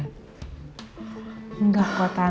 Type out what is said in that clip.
tante jadi mengganggu waktunya mbak bella